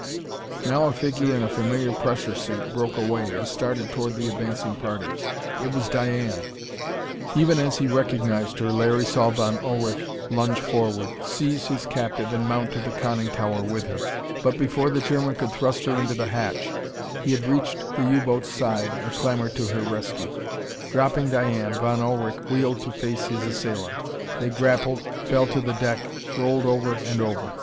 Now a figure in a familiar pressure suit broke away and started toward the advancing party. It was Diane! Even as he recognized her, Larry saw Von Ullrich lunge forward, seize his captive and mount to the conning tower with her but before the German could thrust her into the hatch, he had reached the U boat's side and clambered to her rescue. Dropping Diane, Von Ullrich wheeled to face his assailant. They grappled, fell to the deck, rolled over and over.